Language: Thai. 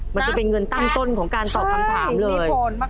มันจะเป็นเงินตั้งต้นของการตอบคำถามเลย